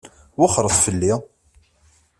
Wexxṛet fell-i!